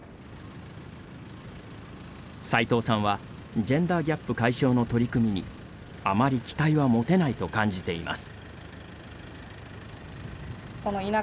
齊藤さんは、ジェンダーギャップ解消の取り組みにあまり期待は持てないと感じています。